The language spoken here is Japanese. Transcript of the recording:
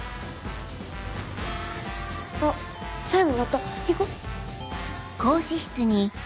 あっチャイム鳴った行こう。